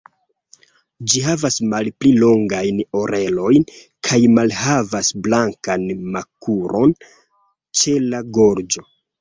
Ĝi havas malpli longajn orelojn kaj malhavas blankan makulon ĉe la gorĝo.